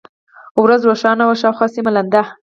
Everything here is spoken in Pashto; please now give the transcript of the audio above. ورځ روښانه وه، شاوخوا سیمه لنده.